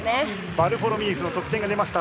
ヴァルフォロミーフの得点が出ました。